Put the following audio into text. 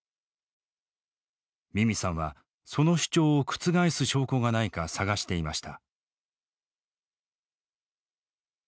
ミミさんはその主張を覆す証拠がないか探していました。